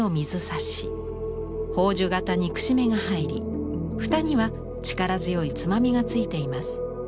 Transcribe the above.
宝珠形にくし目が入り蓋には力強いつまみが付いています。